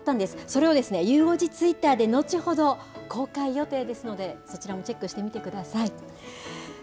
それをゆう５時ツイッターで後ほど公開予定ですので、そちらもチェックしてみてください。